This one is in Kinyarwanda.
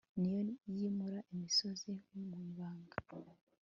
ni yo yimura imisozi mu ibanga